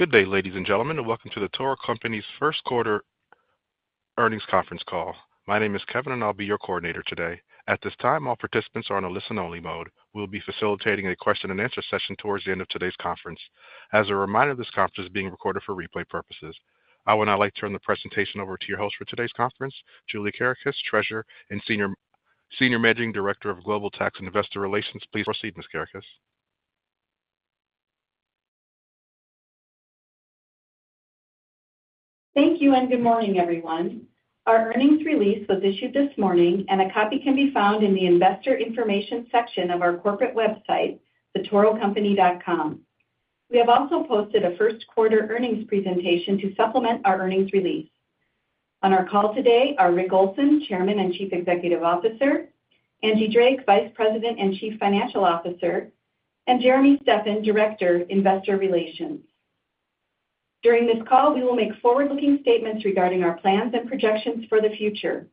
Good day, ladies and gentlemen, and welcome to the Toro Company's first quarter earnings conference call. My name is Kevin, and I'll be your coordinator today. At this time, all participants are on a listen-only mode. We'll be facilitating a question-and-answer session towards the end of today's conference. As a reminder, this conference is being recorded for replay purposes. I would now like to turn the presentation over to your host for today's conference, Julie Kerekes, Treasurer and Senior Managing Director of Global Tax and Investor Relations. Please proceed, Ms. Kerekes. Thank you and good morning, everyone. Our earnings release was issued this morning, and a copy can be found in the investor information section of our corporate website, thetorocompany.com. We have also posted a first quarter earnings presentation to supplement our earnings release. On our call today are Rick Olson, Chairman and Chief Executive Officer, Angela Drake, Vice President and Chief Financial Officer, and Jeremy Steffan, Director, Investor Relations. During this call, we will make forward-looking statements regarding our plans and projections for the future.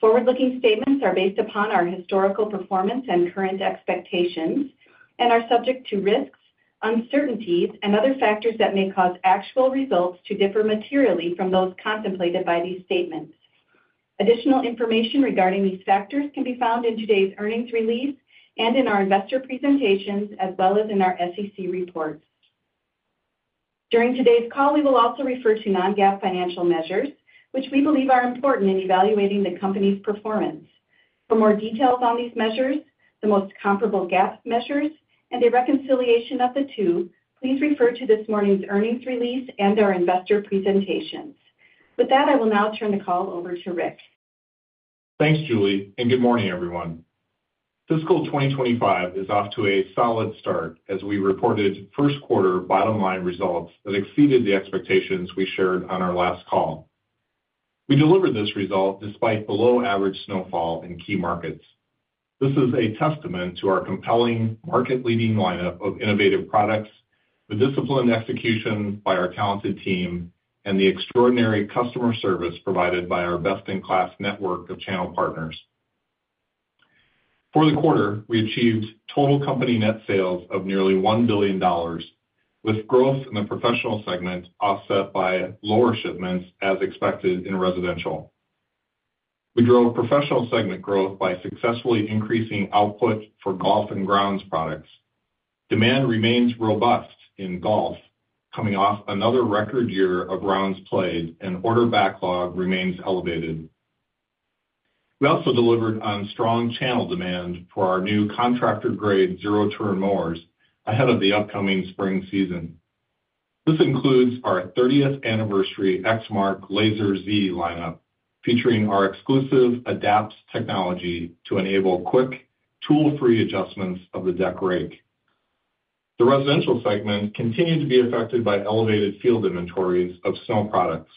Forward-looking statements are based upon our historical performance and current expectations, and are subject to risks, uncertainties, and other factors that may cause actual results to differ materially from those contemplated by these statements. Additional information regarding these factors can be found in today's earnings release and in our investor presentations, as well as in our SEC reports. During today's call, we will also refer to non-GAAP financial measures, which we believe are important in evaluating the company's performance. For more details on these measures, the most comparable GAAP measures, and a reconciliation of the two, please refer to this morning's earnings release and our investor presentations. With that, I will now turn the call over to Rick. Thanks, Julie, and good morning, everyone. Fiscal 2025 is off to a solid start as we reported first quarter bottom-line results that exceeded the expectations we shared on our last call. We delivered this result despite below-average snowfall in key markets. This is a testament to our compelling, market-leading lineup of innovative products, the disciplined execution by our talented team, and the extraordinary customer service provided by our best-in-class network of channel partners. For the quarter, we achieved total company net sales of nearly $1 billion, with growth in the professional segment offset by lower shipments, as expected in residential. We drove professional segment growth by successfully increasing output for golf and grounds products. Demand remains robust in golf, coming off another record year of rounds played, and order backlog remains elevated. We also delivered on strong channel demand for our new contractor-grade Zero Turn mowers ahead of the upcoming spring season. This includes our 30th anniversary Exmark Lazer Z lineup, featuring our exclusive Adapt Technology to enable quick, tool-free adjustments of the deck rake. The residential segment continued to be affected by elevated field inventories of snow products.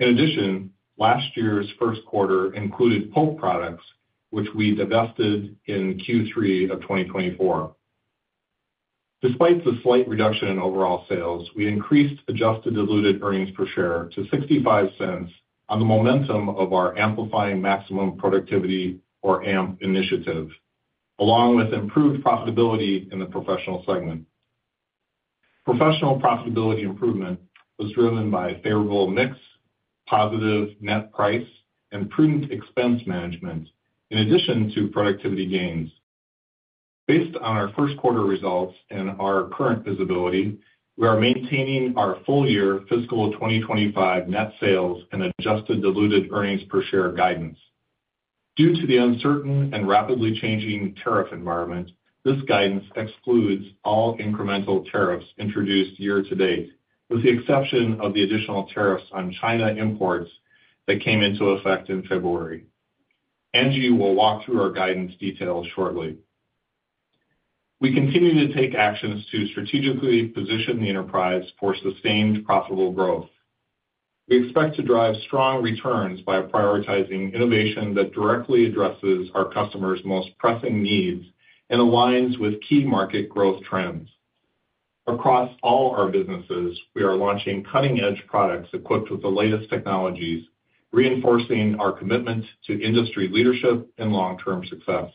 In addition, last year's first quarter included Pope products, which we divested in Q3 of 2024. Despite the slight reduction in overall sales, we increased adjusted diluted earnings per share to $0.65 on the momentum of our amplifying maximum productivity, or AMP, initiative, along with improved profitability in the professional segment. Professional profitability improvement was driven by favorable mix, positive net price, and prudent expense management, in addition to productivity gains. Based on our first quarter results and our current visibility, we are maintaining our full-year fiscal 2025 net sales and adjusted diluted earnings per share guidance. Due to the uncertain and rapidly changing tariff environment, this guidance excludes all incremental tariffs introduced year to date, with the exception of the additional tariffs on China imports that came into effect in February. Angela will walk through our guidance details shortly. We continue to take actions to strategically position the enterprise for sustained profitable growth. We expect to drive strong returns by prioritizing innovation that directly addresses our customers' most pressing needs and aligns with key market growth trends. Across all our businesses, we are launching cutting-edge products equipped with the latest technologies, reinforcing our commitment to industry leadership and long-term success.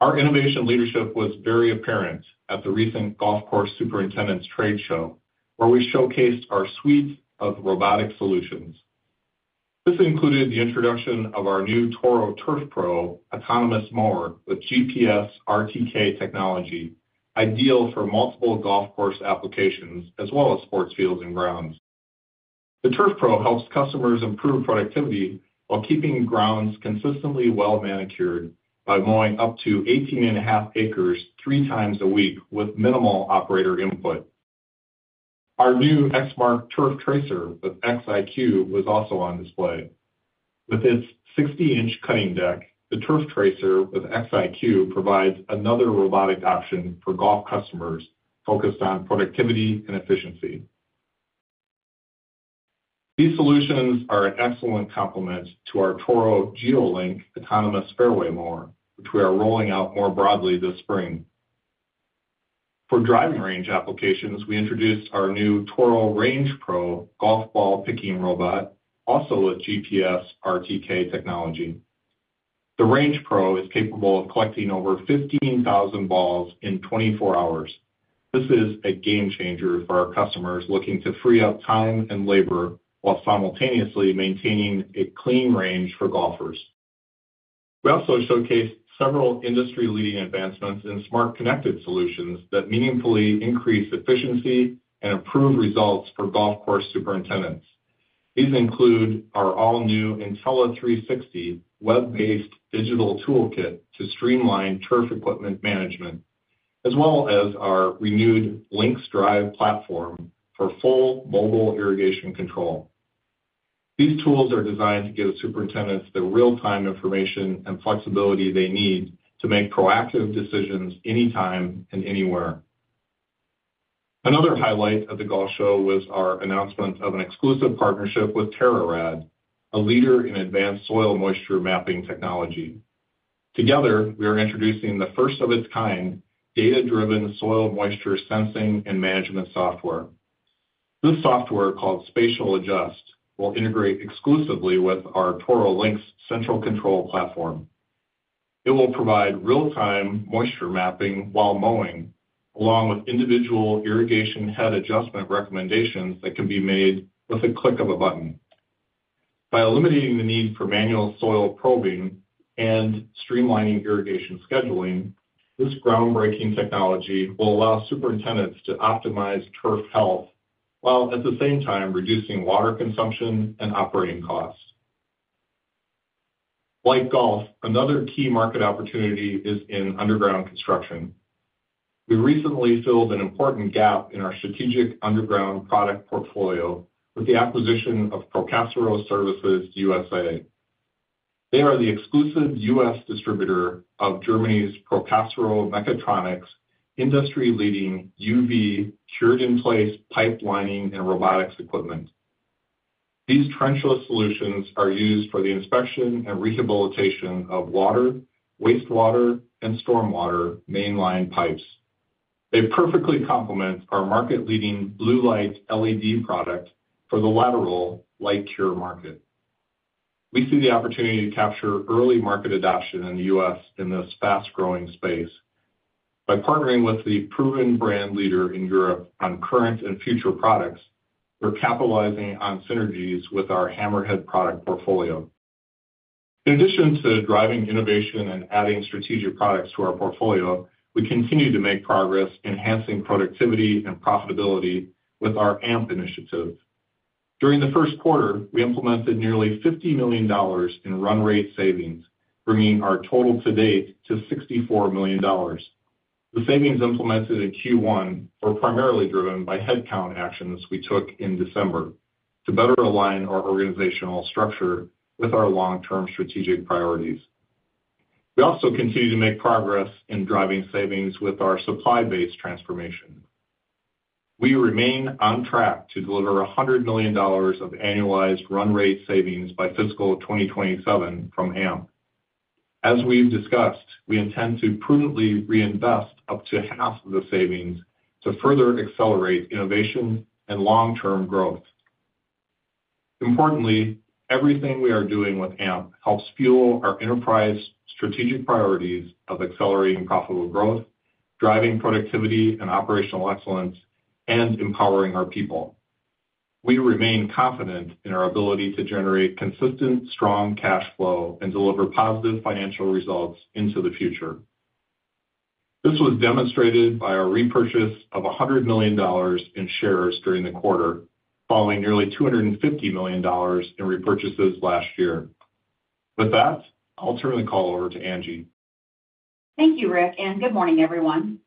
Our innovation leadership was very apparent at the recent GCSAA Conference and Trade Show, where we showcased our suite of robotic solutions. This included the introduction of our new Toro Turf Pro autonomous mower with GPS RTK technology, ideal for multiple golf course applications as well as sports fields and grounds. The Turf Pro helps customers improve productivity while keeping grounds consistently well-manicured by mowing up to 18 and a half acres three times a week with minimal operator input. Our new Exmark Turf Tracer with XiQ was also on display. With its 60-inch cutting deck, the Turf Tracer with XiQ provides another robotic option for golf customers focused on productivity and efficiency. These solutions are an excellent complement to our Toro GeoLink autonomous fairway mower, which we are rolling out more broadly this spring. For driving range applications, we introduced our new Toro RangePro golf ball picking robot, also with GPS RTK technology. The RangePro is capable of collecting over 15,000 balls in 24 hours. This is a game changer for our customers looking to free up time and labor while simultaneously maintaining a clean range for golfers. We also showcased several industry-leading advancements in smart connected solutions that meaningfully increase efficiency and improve results for golf course superintendents. These include our all-new Intelli360 web-based digital toolkit to streamline turf equipment management, as well as our renewed Lynx Drive platform for full mobile irrigation control. These tools are designed to give superintendents the real-time information and flexibility they need to make proactive decisions anytime and anywhere. Another highlight of the golf show was our announcement of an exclusive partnership with TerraRad, a leader in advanced soil moisture mapping technology. Together, we are introducing the first of its kind, data-driven soil moisture sensing and management software. This software, called Spatial Adjust, will integrate exclusively with our Toro Lynx Central Control platform. It will provide real-time moisture mapping while mowing, along with individual irrigation head adjustment recommendations that can be made with a click of a button. By eliminating the need for manual soil probing and streamlining irrigation scheduling, this groundbreaking technology will allow superintendents to optimize turf health while at the same time reducing water consumption and operating costs. Like golf, another key market opportunity is in underground construction. We recently filled an important gap in our strategic underground product portfolio with the acquisition of ProKASRO Services USA. They are the exclusive U.S. distributor of Germany's ProKASRO Mechatronik's industry-leading UV Cured-in-Place pipelining and robotics equipment. These trenchless solutions are used for the inspection and rehabilitation of water, wastewater, and stormwater mainline pipes. They perfectly complement our market-leading blue light LED product for the lateral light cure market. We see the opportunity to capture early market adoption in the U.S. in this fast-growing space. By partnering with the proven brand leader in Europe on current and future products, we're capitalizing on synergies with our HammerHead product portfolio. In addition to driving innovation and adding strategic products to our portfolio, we continue to make progress, enhancing productivity and profitability with our AMP initiative. During the first quarter, we implemented nearly $50 million in run rate savings, bringing our total to date to $64 million. The savings implemented in Q1 were primarily driven by headcount actions we took in December to better align our organizational structure with our long-term strategic priorities. We also continue to make progress in driving savings with our supply-based transformation. We remain on track to deliver $100 million of annualized run rate savings by fiscal 2027 from AMP. As we've discussed, we intend to prudently reinvest up to half of the savings to further accelerate innovation and long-term growth. Importantly, everything we are doing with AMP helps fuel our enterprise strategic priorities of accelerating profitable growth, driving productivity and operational excellence, and empowering our people. We remain confident in our ability to generate consistent, strong cash flow and deliver positive financial results into the future. This was demonstrated by our repurchase of $100 million in shares during the quarter, following nearly $250 million in repurchases last year. With that, I'll turn the call over to Angela. Thank you, Rick, and good morning, everyone.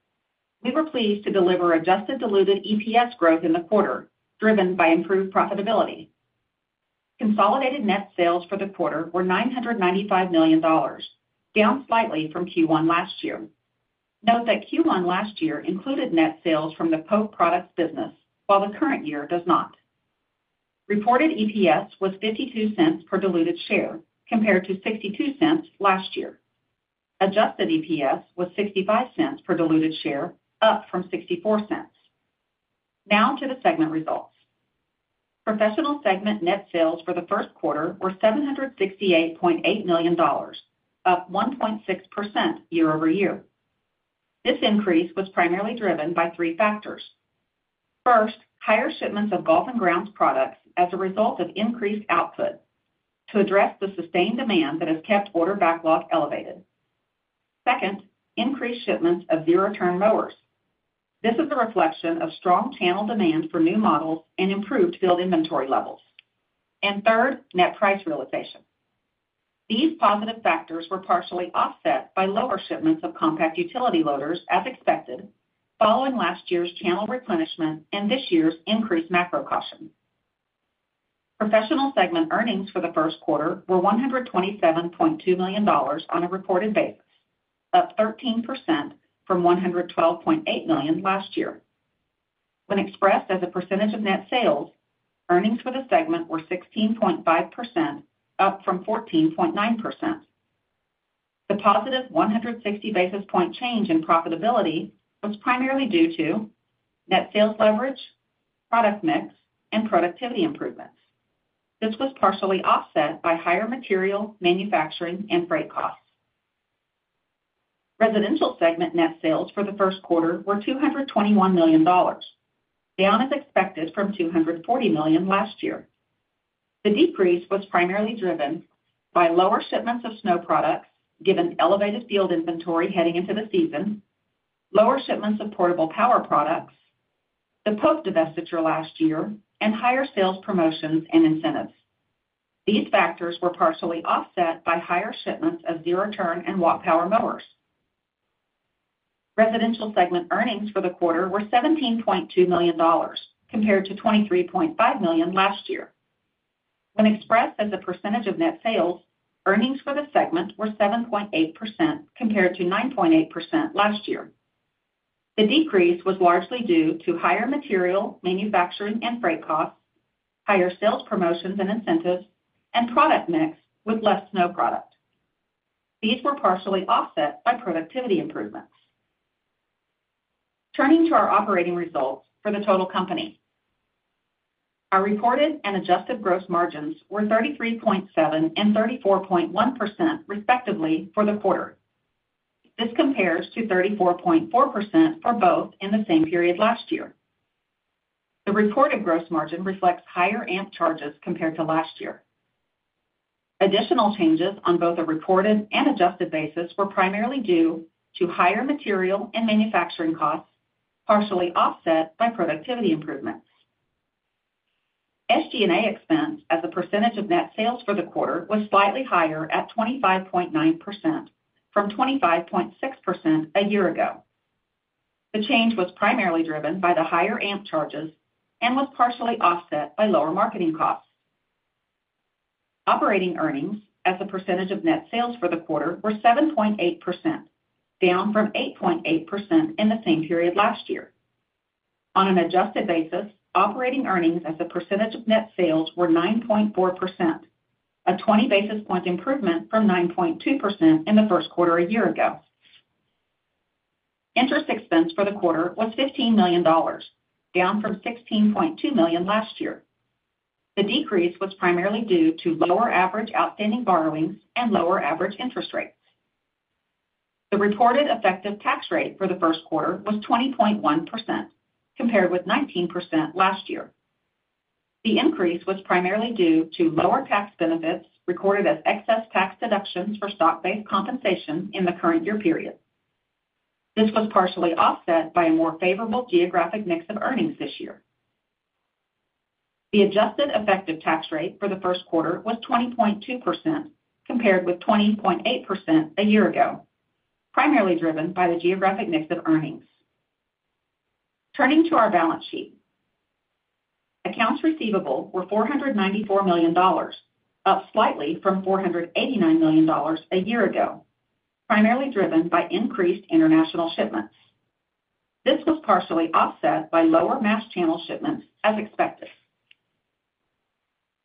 We were pleased to deliver Adjusted Diluted EPS growth in the quarter, driven by improved profitability. Consolidated net sales for the quarter were $995 million, down slightly from Q1 last year. Note that Q1 last year included net sales from the Pope products business, while the current year does not. Reported EPS was $0.52 per diluted share, compared to $0.62 last year. Adjusted EPS was $0.65 per diluted share, up from $0.64. Now to the segment results. Professional segment net sales for the first quarter were $768.8 million, up 1.6% year-over-year. This increase was primarily driven by three factors. First, higher shipments of golf and grounds products as a result of increased output to address the sustained demand that has kept order backlog elevated. Second, increased shipments of Zero Turn Mowers. This is a reflection of strong channel demand for new models and improved field inventory levels. And third, net price realization. These positive factors were partially offset by lower shipments of compact utility loaders, as expected, following last year's channel replenishment and this year's increased macro caution. Professional segment earnings for the first quarter were $127.2 million on a reported basis, up 13% from $112.8 million last year. When expressed as a percentage of net sales, earnings for the segment were 16.5%, up from 14.9%. The positive 160 basis points change in profitability was primarily due to net sales leverage, product mix, and productivity improvements. This was partially offset by higher material manufacturing and freight costs. Residential segment net sales for the first quarter were $221 million, down as expected from $240 million last year. The decrease was primarily driven by lower shipments of snow products, given elevated field inventory heading into the season, lower shipments of portable power products, the Pope divestiture last year, and higher sales promotions and incentives. These factors were partially offset by higher shipments of Zero Turn and Walk Power Mowers. Residential segment earnings for the quarter were $17.2 million, compared to $23.5 million last year. When expressed as a percentage of net sales, earnings for the segment were 7.8%, compared to 9.8% last year. The decrease was largely due to higher material manufacturing and freight costs, higher sales promotions and incentives, and product mix with less snow product. These were partially offset by productivity improvements. Turning to our operating results for the total company. Our reported and adjusted gross margins were 33.7% and 34.1%, respectively, for the quarter. This compares to 34.4% for both in the same period last year. The reported gross margin reflects higher AMP charges compared to last year. Additional changes on both a reported and adjusted basis were primarily due to higher material and manufacturing costs, partially offset by productivity improvements. SG&A expense as a percentage of net sales for the quarter was slightly higher at 25.9%, from 25.6% a year ago. The change was primarily driven by the higher AMP charges and was partially offset by lower marketing costs. Operating earnings as a percentage of net sales for the quarter were 7.8%, down from 8.8% in the same period last year. On an adjusted basis, operating earnings as a percentage of net sales were 9.4%, a 20 basis point improvement from 9.2% in the first quarter a year ago. Interest expense for the quarter was $15 million, down from $16.2 million last year. The decrease was primarily due to lower average outstanding borrowings and lower average interest rates. The reported effective tax rate for the first quarter was 20.1%, compared with 19% last year. The increase was primarily due to lower tax benefits recorded as excess tax deductions for stock-based compensation in the current year period. This was partially offset by a more favorable geographic mix of earnings this year. The adjusted effective tax rate for the first quarter was 20.2%, compared with 20.8% a year ago, primarily driven by the geographic mix of earnings. Turning to our balance sheet, accounts receivable were $494 million, up slightly from $489 million a year ago, primarily driven by increased international shipments. This was partially offset by lower mass channel shipments, as expected.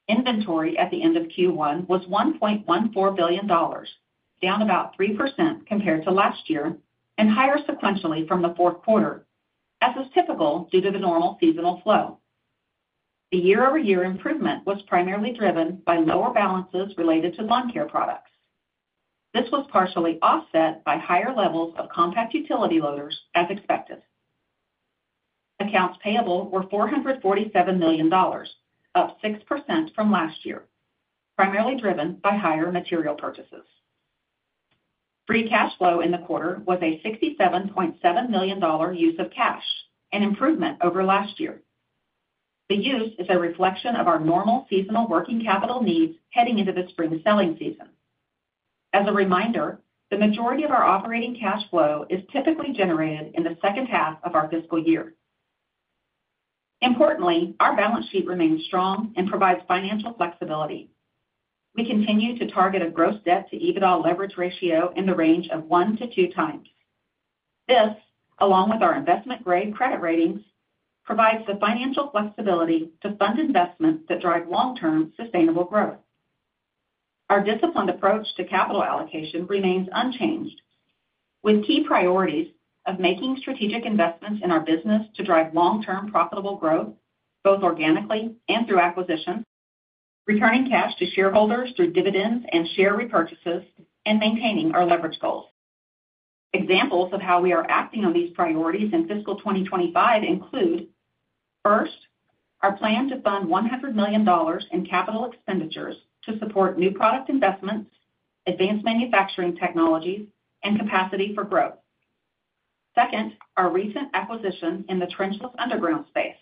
Inventory at the end of Q1 was $1.14 billion, down about 3% compared to last year, and higher sequentially from the fourth quarter, as is typical due to the normal seasonal flow. The year-over-year improvement was primarily driven by lower balances related to lawn care products. This was partially offset by higher levels of compact utility loaders, as expected. Accounts payable were $447 million, up 6% from last year, primarily driven by higher material purchases. Free cash flow in the quarter was a $67.7 million use of cash, an improvement over last year. The use is a reflection of our normal seasonal working capital needs heading into the spring selling season. As a reminder, the majority of our operating cash flow is typically generated in the second half of our fiscal year. Importantly, our balance sheet remains strong and provides financial flexibility. We continue to target a gross debt-to-EBITDA leverage ratio in the range of one to two times. This, along with our investment-grade credit ratings, provides the financial flexibility to fund investments that drive long-term sustainable growth. Our disciplined approach to capital allocation remains unchanged, with key priorities of making strategic investments in our business to drive long-term profitable growth, both organically and through acquisition, returning cash to shareholders through dividends and share repurchases, and maintaining our leverage goals. Examples of how we are acting on these priorities in fiscal 2025 include: first, our plan to fund $100 million in capital expenditures to support new product investments, advanced manufacturing technologies, and capacity for growth, second, our recent acquisition in the trenchless underground space,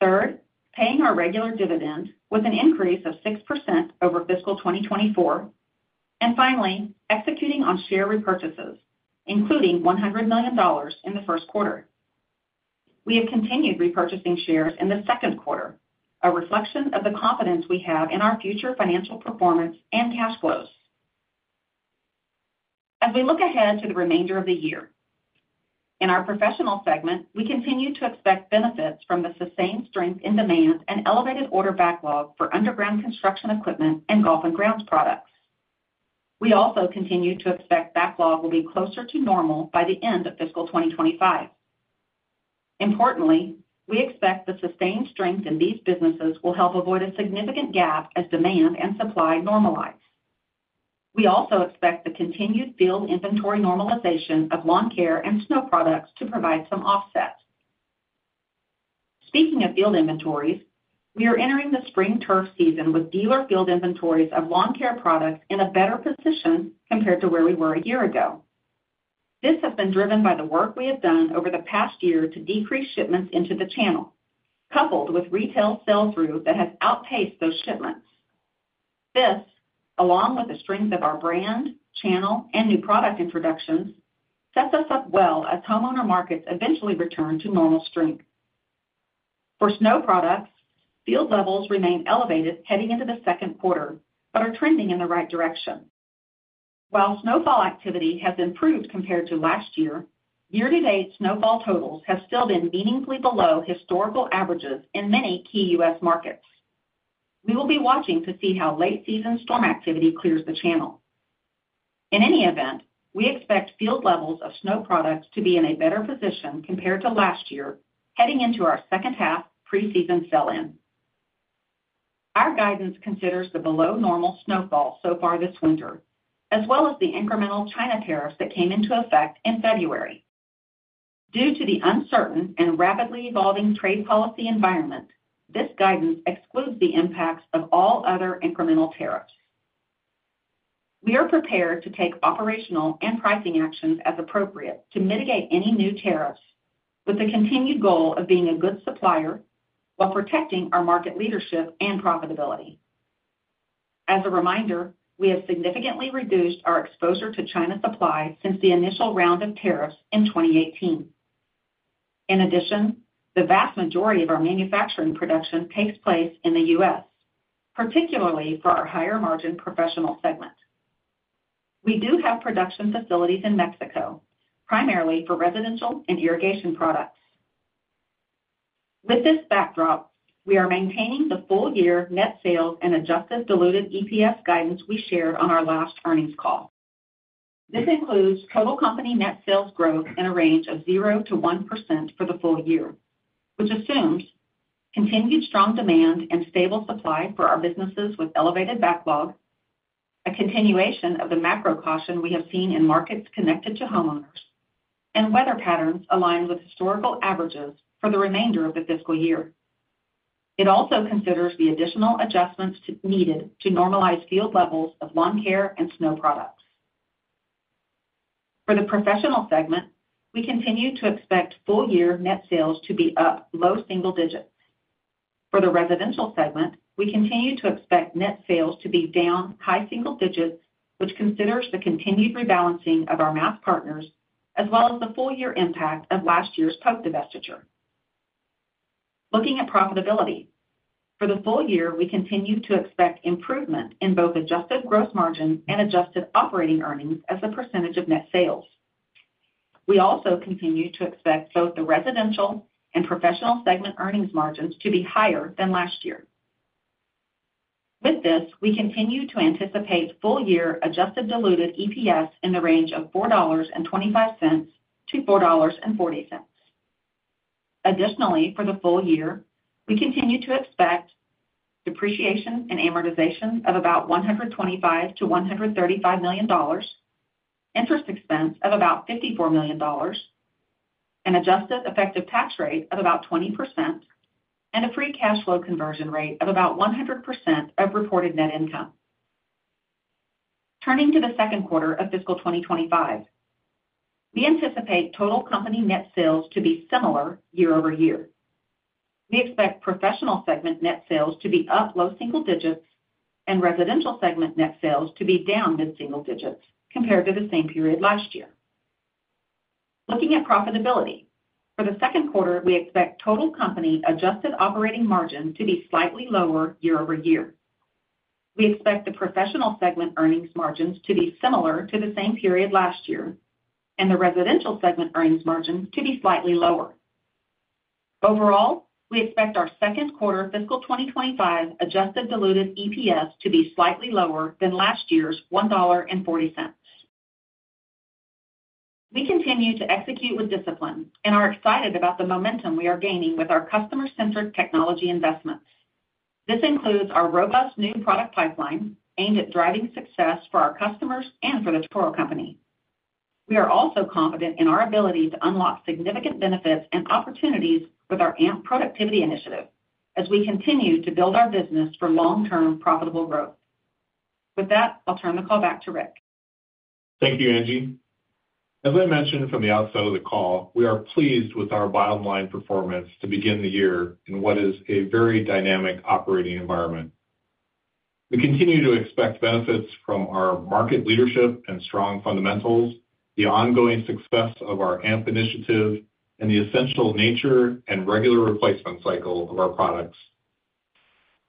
third, paying our regular dividend with an increase of 6% over fiscal 2024, and finally, executing on share repurchases, including $100 million in the first quarter. We have continued repurchasing shares in the second quarter, a reflection of the confidence we have in our future financial performance and cash flows. As we look ahead to the remainder of the year, in our professional segment, we continue to expect benefits from the sustained strength in demand and elevated order backlog for underground construction equipment and golf and grounds products. We also continue to expect backlog will be closer to normal by the end of fiscal 2025. Importantly, we expect the sustained strength in these businesses will help avoid a significant gap as demand and supply normalize. We also expect the continued field inventory normalization of lawn care and snow products to provide some offset. Speaking of field inventories, we are entering the spring turf season with dealer field inventories of lawn care products in a better position compared to where we were a year ago. This has been driven by the work we have done over the past year to decrease shipments into the channel, coupled with retail sales through that has outpaced those shipments. This, along with the strength of our brand, channel, and new product introductions, sets us up well as homeowner markets eventually return to normal strength. For snow products, field levels remain elevated heading into the second quarter but are trending in the right direction. While snowfall activity has improved compared to last year, year-to-date snowfall totals have still been meaningfully below historical averages in many key U.S. markets. We will be watching to see how late-season storm activity clears the channel. In any event, we expect field levels of snow products to be in a better position compared to last year heading into our second half pre-season sell-in. Our guidance considers the below-normal snowfall so far this winter, as well as the incremental China tariffs that came into effect in February. Due to the uncertain and rapidly evolving trade policy environment, this guidance excludes the impacts of all other incremental tariffs. We are prepared to take operational and pricing actions as appropriate to mitigate any new tariffs, with the continued goal of being a good supplier while protecting our market leadership and profitability. As a reminder, we have significantly reduced our exposure to China supply since the initial round of tariffs in 2018. In addition, the vast majority of our manufacturing production takes place in the U.S., particularly for our higher-margin professional segment. We do have production facilities in Mexico, primarily for residential and irrigation products. With this backdrop, we are maintaining the full-year net sales and Adjusted Diluted EPS guidance we shared on our last earnings call. This includes total company net sales growth in a range of 0%-1% for the full year, which assumes continued strong demand and stable supply for our businesses with elevated backlog, a continuation of the macro caution we have seen in markets connected to homeowners, and weather patterns aligned with historical averages for the remainder of the fiscal year. It also considers the additional adjustments needed to normalize field levels of lawn care and snow products. For the professional segment, we continue to expect full-year net sales to be up low single digits. For the residential segment, we continue to expect net sales to be down high single digits, which considers the continued rebalancing of our dealer partners as well as the full-year impact of last year's Pope divestiture. Looking at profitability, for the full year, we continue to expect improvement in both adjusted gross margins and adjusted operating earnings as a percentage of net sales. We also continue to expect both the residential and professional segment earnings margins to be higher than last year. With this, we continue to anticipate full-year Adjusted Diluted EPS in the range of $4.25-$4.40. Additionally, for the full year, we continue to expect depreciation and amortization of about $125 million-$135 million, interest expense of about $54 million, an adjusted effective tax rate of about 20%, and a free cash flow conversion rate of about 100% of reported net income. Turning to the second quarter of fiscal 2025, we anticipate total company net sales to be similar year-over-year. We expect professional segment net sales to be up low single digits and residential segment net sales to be down mid-single digits compared to the same period last year. Looking at profitability, for the second quarter, we expect total company adjusted operating margin to be slightly lower year-over-year. We expect the professional segment earnings margins to be similar to the same period last year and the residential segment earnings margin to be slightly lower. Overall, we expect our second quarter fiscal 2025 Adjusted Diluted EPS to be slightly lower than last year's $1.40. We continue to execute with discipline and are excited about the momentum we are gaining with our customer-centric technology investments. This includes our robust new product pipeline aimed at driving success for our customers and for the Toro Company. We are also confident in our ability to unlock significant benefits and opportunities with our AMP productivity initiative as we continue to build our business for long-term profitable growth. With that, I'll turn the call back to Rick. Thank you, Angela. As I mentioned from the outset of the call, we are pleased with our bottom-line performance to begin the year in what is a very dynamic operating environment. We continue to expect benefits from our market leadership and strong fundamentals, the ongoing success of our AMP initiative, and the essential nature and regular replacement cycle of our products.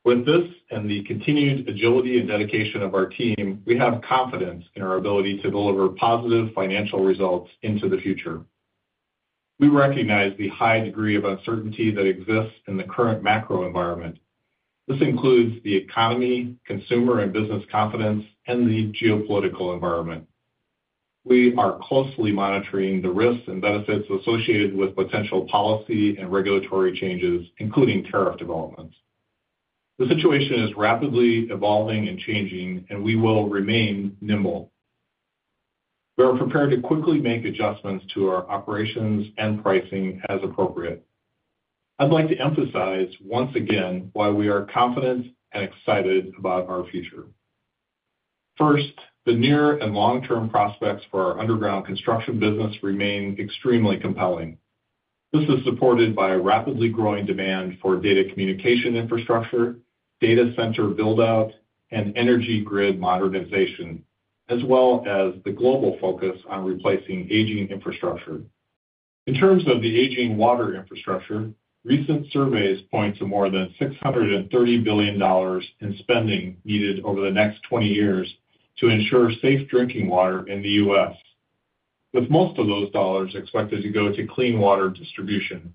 With this and the continued agility and dedication of our team, we have confidence in our ability to deliver positive financial results into the future. We recognize the high degree of uncertainty that exists in the current macro environment. This includes the economy, consumer, and business confidence, and the geopolitical environment. We are closely monitoring the risks and benefits associated with potential policy and regulatory changes, including tariff developments. The situation is rapidly evolving and changing, and we will remain nimble. We are prepared to quickly make adjustments to our operations and pricing as appropriate. I'd like to emphasize once again why we are confident and excited about our future. First, the near and long-term prospects for our underground construction business remain extremely compelling. This is supported by rapidly growing demand for data communication infrastructure, data center build-out, and energy grid modernization, as well as the global focus on replacing aging infrastructure. In terms of the aging water infrastructure, recent surveys point to more than $630 billion in spending needed over the next 20 years to ensure safe drinking water in the U.S., with most of those dollars expected to go to clean water distribution.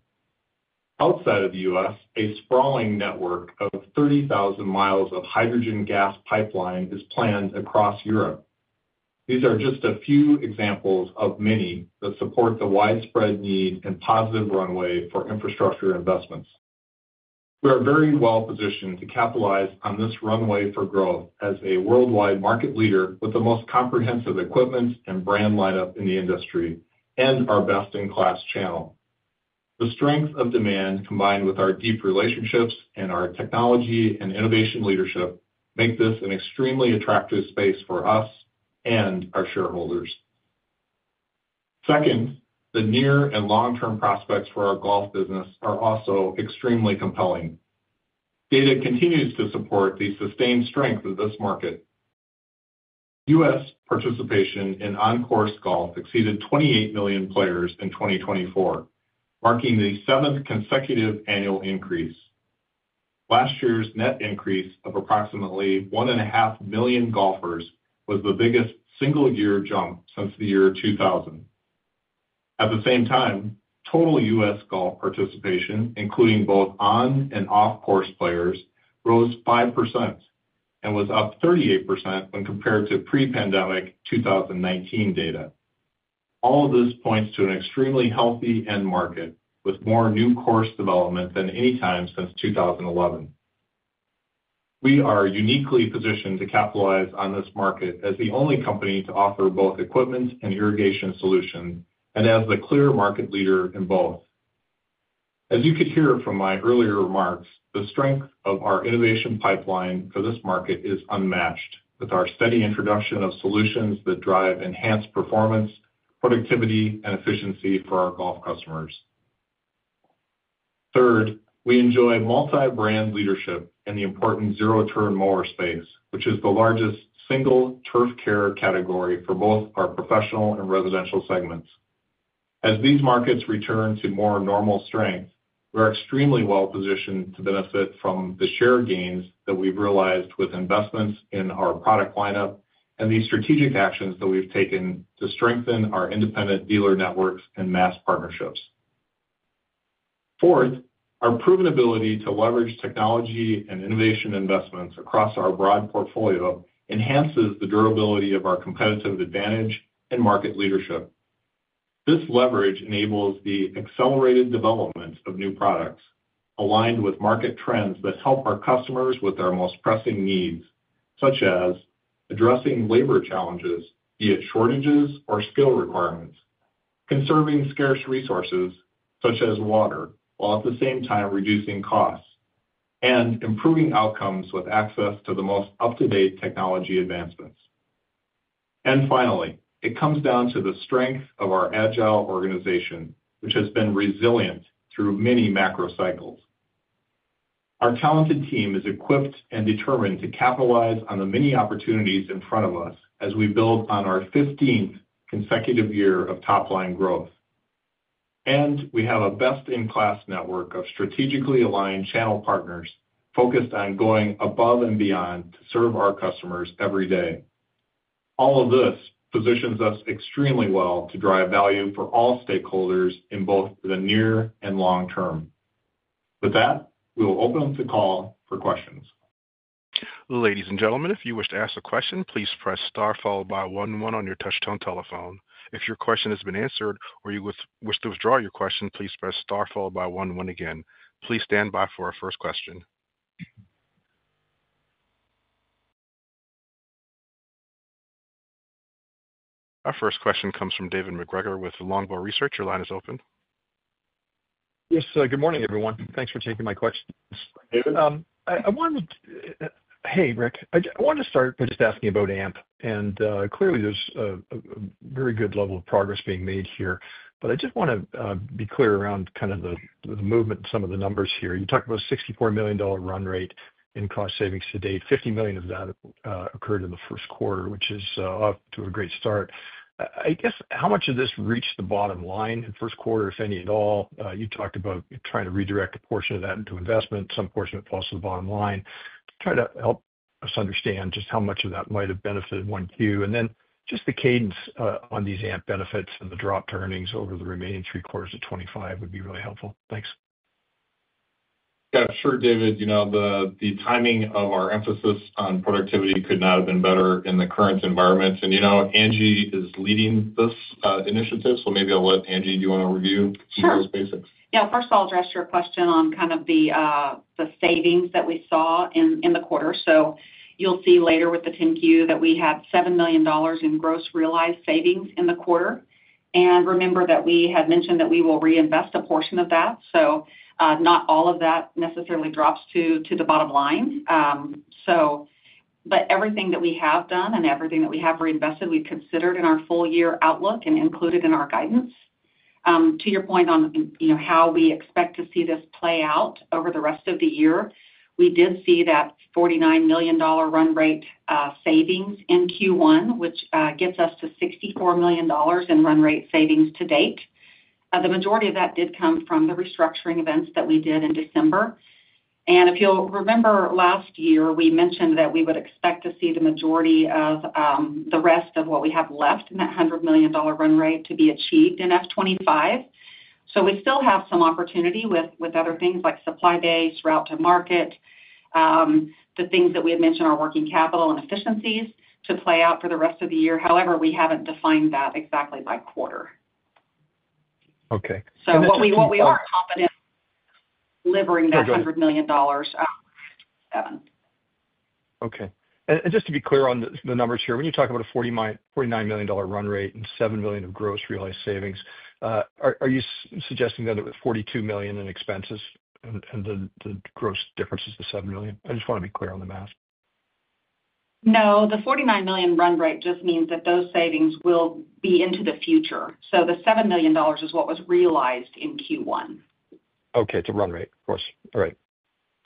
Outside of the U.S., a sprawling network of 30,000 miles of hydrogen gas pipeline is planned across Europe. These are just a few examples of many that support the widespread need and positive runway for infrastructure investments. We are very well positioned to capitalize on this runway for growth as a worldwide market leader with the most comprehensive equipment and brand lineup in the industry and our best-in-class channel. The strength of demand, combined with our deep relationships and our technology and innovation leadership, make this an extremely attractive space for us and our shareholders. Second, the near and long-term prospects for our golf business are also extremely compelling. Data continues to support the sustained strength of this market. U.S. participation in on-course golf exceeded 28 million players in 2024, marking the seventh consecutive annual increase. Last year's net increase of approximately 1.5 million golfers was the biggest single-year jump since the year 2000. At the same time, total U.S. golf participation, including both on- and off-course players, rose 5% and was up 38% when compared to pre-pandemic 2019 data. All of this points to an extremely healthy end market with more new course development than any time since 2011. We are uniquely positioned to capitalize on this market as the only company to offer both equipment and irrigation solutions and as the clear market leader in both. As you could hear from my earlier remarks, the strength of our innovation pipeline for this market is unmatched, with our steady introduction of solutions that drive enhanced performance, productivity, and efficiency for our golf customers. Third, we enjoy multi-brand leadership in the important Zero Turn mower space, which is the largest single turf care category for both our professional and residential segments. As these markets return to more normal strength, we are extremely well positioned to benefit from the share gains that we've realized with investments in our product lineup and the strategic actions that we've taken to strengthen our independent dealer networks and mass partnerships. Fourth, our proven ability to leverage technology and innovation investments across our broad portfolio enhances the durability of our competitive advantage and market leadership. This leverage enables the accelerated development of new products aligned with market trends that help our customers with their most pressing needs, such as addressing labor challenges, be it shortages or skill requirements, conserving scarce resources such as water while at the same time reducing costs, and improving outcomes with access to the most up-to-date technology advancements, and finally, it comes down to the strength of our agile organization, which has been resilient through many macro cycles. Our talented team is equipped and determined to capitalize on the many opportunities in front of us as we build on our 15th consecutive year of top-line growth, and we have a best-in-class network of strategically aligned channel partners focused on going above and beyond to serve our customers every day. All of this positions us extremely well to drive value for all stakeholders in both the near and long term. With that, we will open up the call for questions. Ladies and gentlemen, if you wish to ask a question, please press star followed by one, one on your touch-tone telephone. If your question has been answered or you wish to withdraw your question, please press star followed by one, one again. Please stand by for our first question. Our first question comes from David MacGregor with Longbow Research. Your line is open. Yes, good morning, everyone. Thanks for taking my questions. Hey, Rick. I wanted to start by just asking about AMP, and clearly there's a very good level of progress being made here. But I just want to be clear around kind of the movement and some of the numbers here. You talked about a $64 million run rate in cost savings to date. $50 million of that occurred in the first quarter, which is off to a great start. I guess how much of this reached the bottom line in the first quarter, if any at all? You talked about trying to redirect a portion of that into investment, some portion of it falls to the bottom line. Try to help us understand just how much of that might have benefited 1Q. And then just the cadence on these AMP benefits and the dropped earnings over the remaining three quarters of 2025 would be really helpful. Thanks. Yeah, sure, David. You know the timing of our emphasis on productivity could not have been better in the current environment. And Angela is leading this initiative, so maybe I'll let Angela. Do you want to review some of those basics? Sure. Yeah, first I'll address your question on kind of the savings that we saw in the quarter. So you'll see later with the 10-Q that we had $7 million in gross realized savings in the quarter. And remember that we had mentioned that we will reinvest a portion of that. So not all of that necessarily drops to the bottom line. But everything that we have done and everything that we have reinvested, we considered in our full-year outlook and included in our guidance. To your point on how we expect to see this play out over the rest of the year, we did see that $49 million run rate savings in Q1, which gets us to $64 million in run rate savings to date. The majority of that did come from the restructuring events that we did in December. And if you'll remember last year, we mentioned that we would expect to see the majority of the rest of what we have left in that $100 million run rate to be achieved in F25. So we still have some opportunity with other things like supply base, route to market, the things that we had mentioned, our working capital and efficiencies to play out for the rest of the year. However, we haven't defined that exactly by quarter. Okay. So what we are confident delivering that $100 million in 2027. Okay. And just to be clear on the numbers here, when you talk about a $49 million run rate and $7 million of gross realized savings, are you suggesting that it was $42 million in expenses and the gross difference is the $7 million? I just want to be clear on the math. No, the $49 million run rate just means that those savings will be into the future. So the $7 million is what was realized in Q1. Okay. It's a run rate, of course. All right.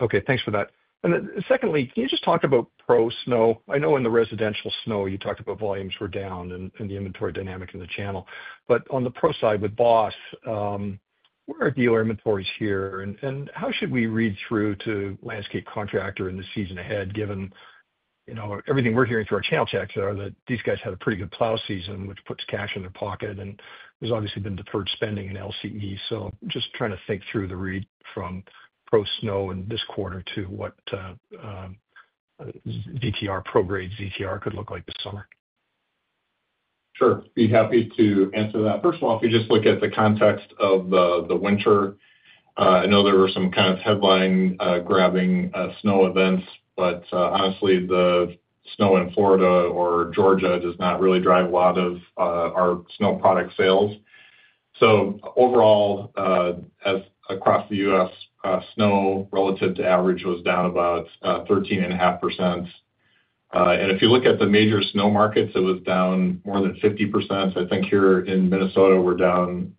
Okay. Thanks for that. And secondly, can you just talk about pro snow? I know in the residential snow, you talked about volumes were down and the inventory dynamic in the channel. But on the pro side with BOSS, where are dealer inventories here? And how should we read through to landscape contractor in the season ahead, given everything we're hearing through our channel checks are that these guys had a pretty good plow season, which puts cash in their pocket. And there's obviously been deferred spending in LCE. So I'm just trying to think through the read from pro snow in this quarter to what DTR pro grade ZTR could look like this summer. Sure. Be happy to answer that. First of all, if you just look at the context of the winter, I know there were some kind of headline-grabbing snow events, but honestly, the snow in Florida or Georgia does not really drive a lot of our snow product sales, so overall, across the U.S., snow relative to average was down about 13.5%, and if you look at the major snow markets, it was down more than 50%. I think here in Minnesota, we're down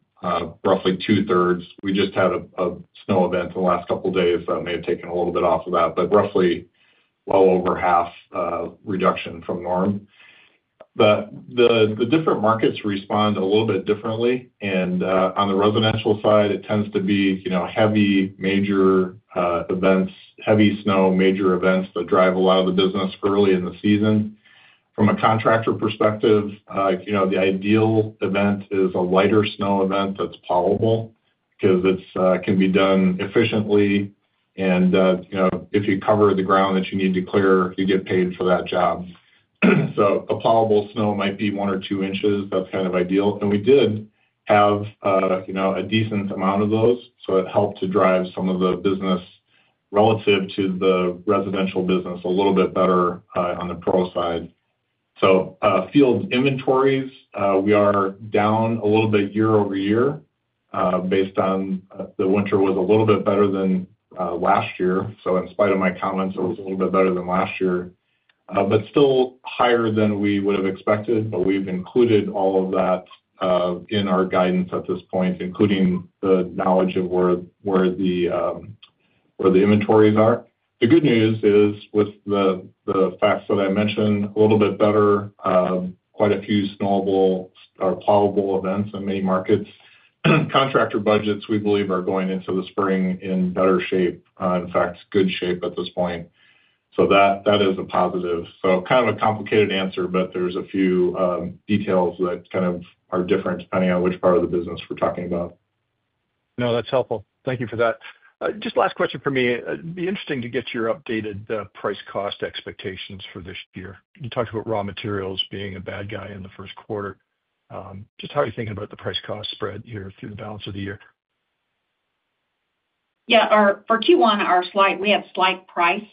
roughly two-thirds. We just had a snow event in the last couple of days that may have taken a little bit off of that, but roughly well over half reduction from norm, but the different markets respond a little bit differently. And on the residential side, it tends to be heavy major events, heavy snow, major events that drive a lot of the business early in the season. From a contractor perspective, the ideal event is a lighter snow event that's plowable because it can be done efficiently. And if you cover the ground that you need to clear, you get paid for that job. So a plowable snow might be one or two inches. That's kind of ideal. And we did have a decent amount of those. So it helped to drive some of the business relative to the residential business a little bit better on the pro side. So field inventories, we are down a little bit year- over-year based on the winter was a little bit better than last year. So in spite of my comments, it was a little bit better than last year, but still higher than we would have expected. But we've included all of that in our guidance at this point, including the knowledge of where the inventories are. The good news is with the facts that I mentioned, a little bit better, quite a few snowable or plowable events in many markets. Contractor budgets, we believe, are going into the spring in better shape, in fact, good shape at this point. So that is a positive. So kind of a complicated answer, but there's a few details that kind of are different depending on which part of the business we're talking about. No, that's helpful. Thank you for that. Just last question for me. It'd be interesting to get your updated price cost expectations for this year. You talked about raw materials being a bad guy in the first quarter. Just how are you thinking about the price cost spread here through the balance of the year? Yeah. For Q1, we had slight price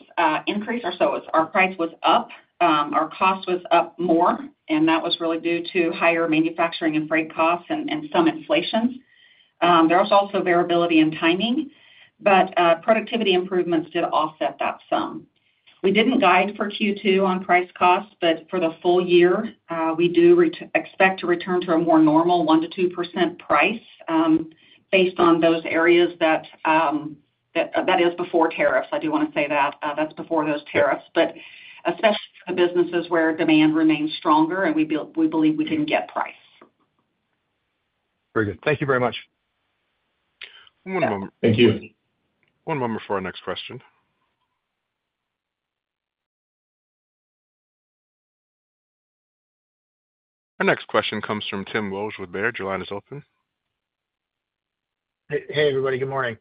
increase. So our price was up. Our cost was up more. And that was really due to higher manufacturing and freight costs and some inflation. There was also variability in timing, but productivity improvements did offset that some. We didn't guide for Q2 on price costs, but for the full year, we do expect to return to a more normal 1%-2% price based on those areas that is before tariffs. I do want to say that that's before those tariffs, but especially for the businesses where demand remains stronger and we believe we can get price. Very good. Thank you very much. One moment. Thank you. One moment for our next question. Our next question comes from Tim Wojs with Baird. Your line is open. Hey, everybody. Good morning.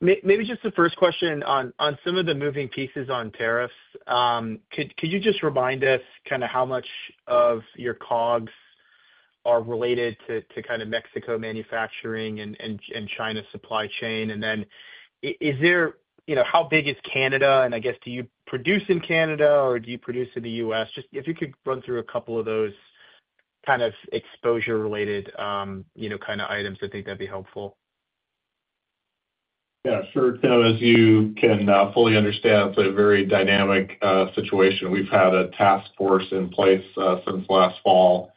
Maybe just the first question on some of the moving pieces on tariffs. Could you just remind us kind of how much of your COGS are related to kind of Mexico manufacturing and China supply chain? And then is there how big is Canada? And I guess, do you produce in Canada or do you produce in the U.S.? Just if you could run through a couple of those kind of exposure-related kind of items, I think that'd be helpful. Yeah, sure. Tim, as you can fully understand, it's a very dynamic situation. We've had a task force in place since last fall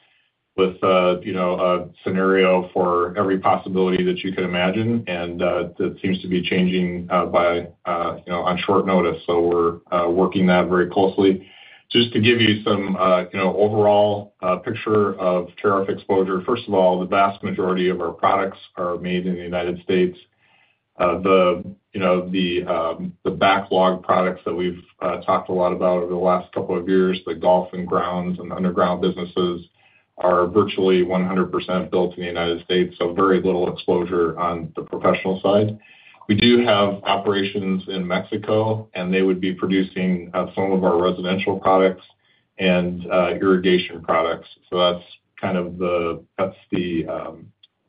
with a scenario for every possibility that you could imagine. And it seems to be changing by on short notice. So we're working that very closely. Just to give you some overall picture of tariff exposure, first of all, the vast majority of our products are made in the United States. The backlog products that we've talked a lot about over the last couple of years, the golf and grounds and underground businesses are virtually 100% built in the United States. So very little exposure on the professional side. We do have operations in Mexico, and they would be producing some of our residential products and irrigation products. So that's kind of the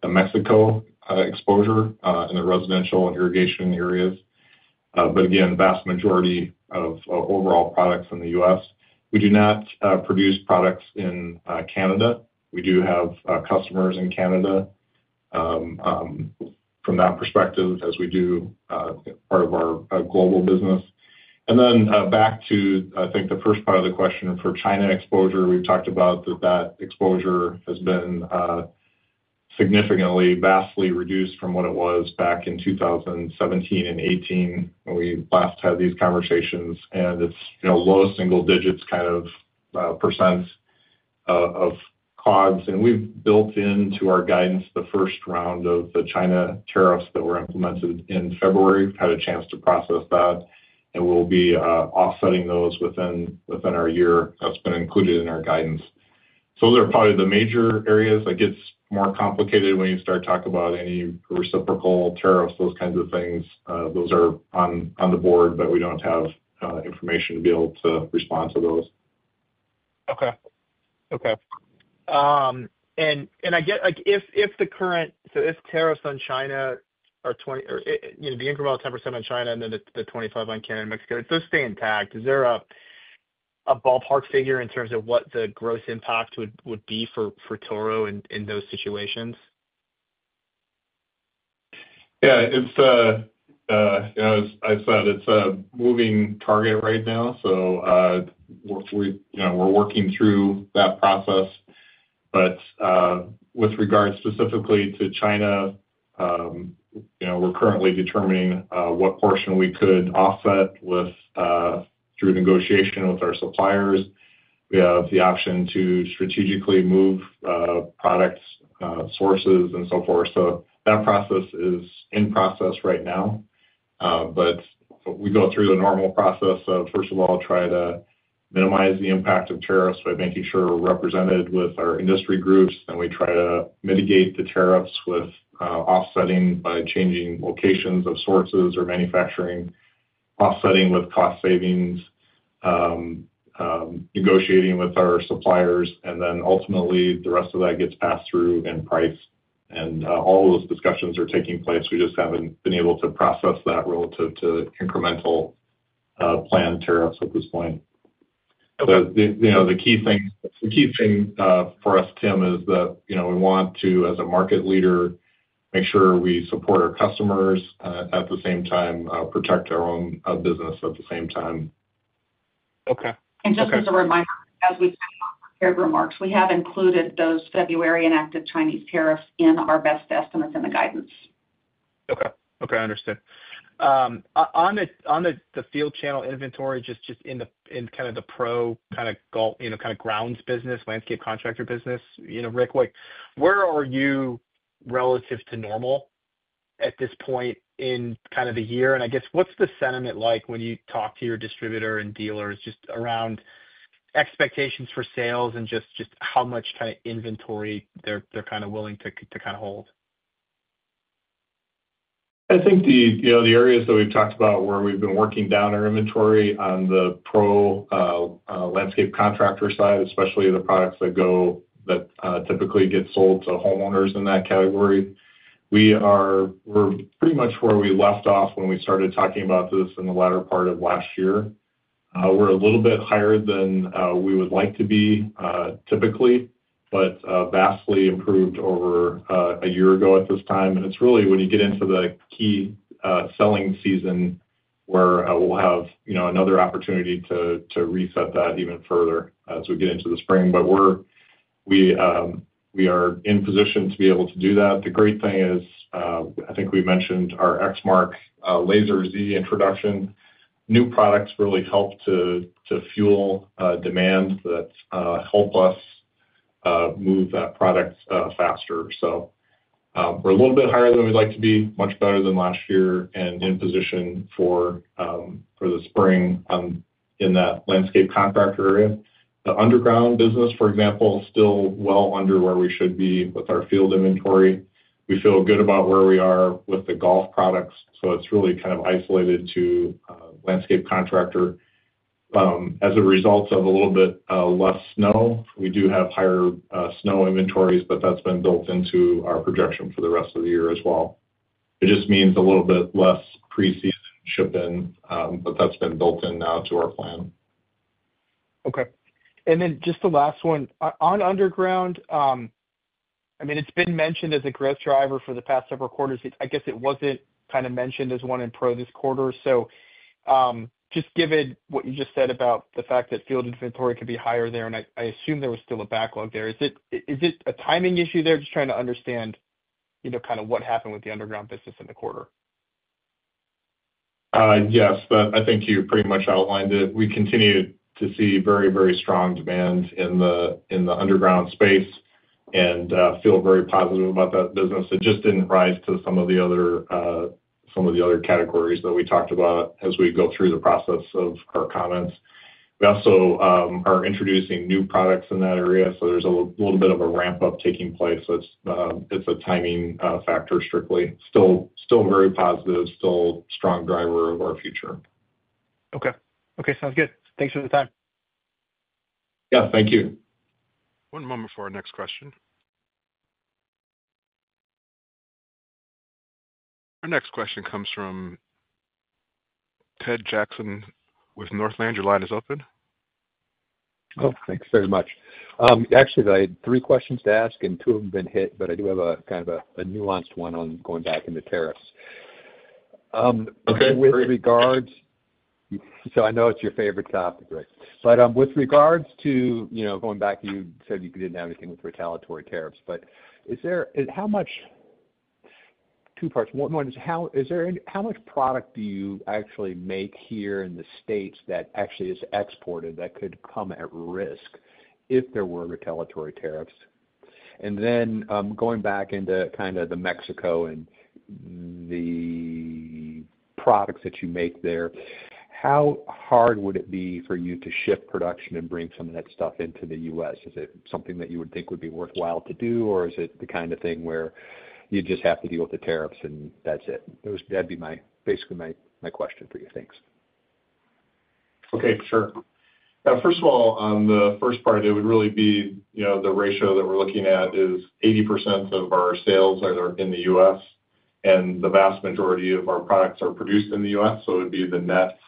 Mexico exposure in the residential and irrigation areas. But again, vast majority of overall products in the U.S. We do not produce products in Canada. We do have customers in Canada from that perspective as we do part of our global business. Then back to, I think, the first part of the question for China exposure. We've talked about that that exposure has been significantly, vastly reduced from what it was back in 2017 and 2018 when we last had these conversations. And it's low single digits kind of % of COGS. And we've built into our guidance the first round of the China tariffs that were implemented in February. We've had a chance to process that, and we'll be offsetting those within our year. That's been included in our guidance. So those are probably the major areas. It gets more complicated when you start talking about any reciprocal tariffs, those kinds of things. Those are on the board, but we don't have information to be able to respond to those. Okay. Okay. And I guess if tariffs on China are 20% or the incremental 10% on China and then the 25% on Canada and Mexico, does it stay intact? Is there a ballpark figure in terms of what the gross impact would be for Toro in those situations? Yeah. I said it's a moving target right now. So we're working through that process. But with regards specifically to China, we're currently determining what portion we could offset through negotiation with our suppliers. We have the option to strategically move products, sources, and so forth. So that process is in process right now. But we go through the normal process of, first of all, try to minimize the impact of tariffs by making sure we're represented with our industry groups. We try to mitigate the tariffs with offsetting by changing locations of sources or manufacturing, offsetting with cost savings, negotiating with our suppliers. Then ultimately, the rest of that gets passed through in price. All of those discussions are taking place. We just haven't been able to process that relative to incremental planned tariffs at this point. The key thing for us, Tim, is that we want to, as a market leader, make sure we support our customers and at the same time protect our own business at the same time. Okay. Just as a reminder, as we said in our remarks, we have included those February enacted Chinese tariffs in our best estimates in the guidance. Okay. Okay. I understand. On the field channel inventory, just in kind of the pro kind of grounds business, landscape contractor business, Rick, where are you relative to normal at this point in kind of the year? And I guess, what's the sentiment like when you talk to your distributor and dealers just around expectations for sales and just how much kind of inventory they're kind of willing to kind of hold? I think the areas that we've talked about where we've been working down our inventory on the pro landscape contractor side, especially the products that typically get sold to homeowners in that category, we're pretty much where we left off when we started talking about this in the latter part of last year. We're a little bit higher than we would like to be typically, but vastly improved over a year ago at this time. It's really when you get into the key selling season where we'll have another opportunity to reset that even further as we get into the spring. But we are in position to be able to do that. The great thing is, I think we mentioned our Exmark Lazer Z introduction. New products really help to fuel demand that help us move that product faster. So we're a little bit higher than we'd like to be, much better than last year, and in position for the spring in that landscape contractor area. The underground business, for example, is still well under where we should be with our field inventory. We feel good about where we are with the golf products. So it's really kind of isolated to landscape contractor. As a result of a little bit less snow, we do have higher snow inventories, but that's been built into our projection for the rest of the year as well. It just means a little bit less pre-season ship in, but that's been built in now to our plan. Okay. And then just the last one. On underground, I mean, it's been mentioned as a growth driver for the past several quarters. I guess it wasn't kind of mentioned as one in pro this quarter. So just given what you just said about the fact that field inventory could be higher there, and I assume there was still a backlog there, is it a timing issue there? Just trying to understand kind of what happened with the underground business in the quarter. Yes. I think you pretty much outlined it. We continue to see very, very strong demand in the underground space and feel very positive about that business. It just didn't rise to some of the other categories that we talked about as we go through the process of our comments. We also are introducing new products in that area. So there's a little bit of a ramp-up taking place. It's a timing factor strictly. Still very positive, still strong driver of our future. Okay. Okay. Sounds good. Thanks for the time. Yeah. Thank you. One moment for our next question. Our next question comes from Ted Jackson with Northland. Your line is open. Oh, thanks very much. Actually, I had three questions to ask, and two have been hit, but I do have a kind of a nuanced one on going back into tariffs. With regards, so I know it's your favorite topic, Rick, but with regards to going back, you said you didn't have anything with retaliatory tariffs. But how much? Two parts. One is, how much product do you actually make here in the States that actually is exported that could come at risk if there were retaliatory tariffs? And then going back to Mexico and the products that you make there, how hard would it be for you to shift production and bring some of that stuff into the U.S.? Is it something that you would think would be worthwhile to do, or is it the kind of thing where you just have to deal with the tariffs and that's it? That'd be basically my question for you. Thanks. Okay. Sure. First of all, on the first part, it would really be the ratio that we're looking at is 80% of our sales are in the U.S., and the vast majority of our products are produced in the U.S. So it would be the net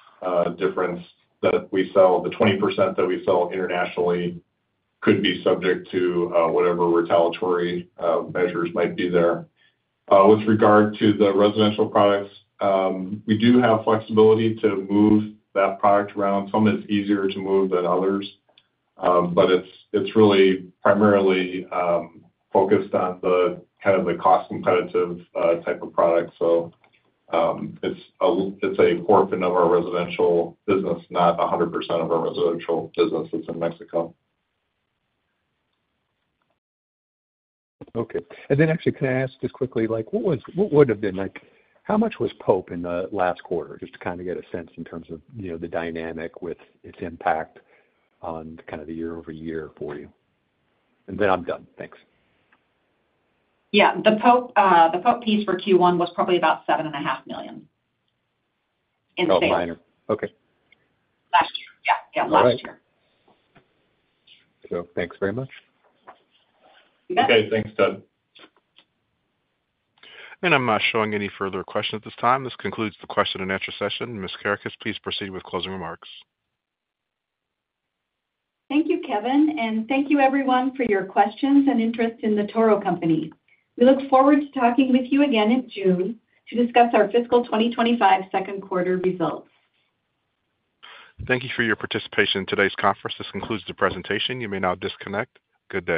difference that we sell. The 20% that we sell internationally could be subject to whatever retaliatory measures might be there. With regard to the residential products, we do have flexibility to move that product around. Some of it's easier to move than others, but it's really primarily focused on kind of the cost-competitive type of product. So it's a core of our residential business, not 100% of our residential business that's in Mexico. Okay. And then actually, can I ask just quickly, what would have been, how much was Pope in the last quarter? Just to kind of get a sense in terms of the dynamic with its impact on kind of the year-over-year for you. And then I'm done. Thanks. Yeah. The Pope piece for Q1 was probably about $7.5 million in sales. Oh, minor. Okay. Last year. Yeah. Yeah. Last year. Right. So thanks very much. Okay. Thanks, Ted. And I'm not showing any further questions at this time. This concludes the question-and-answer session. Ms. Kerekes, please proceed with closing remarks. Thank you, Kevin. And thank you, everyone, for your questions and interest in the Toro Company. We look forward to talking with you again in June to discuss our fiscal 2025 second quarter results. Thank you for your participation in today's conference. This concludes the presentation. You may now disconnect. Good day.